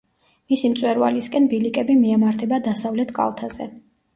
მისი მწვერვალისკენ ბილიკები მიემართება დასავლეთ კალთაზე.